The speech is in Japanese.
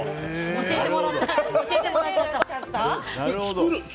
教えてもらっちゃった。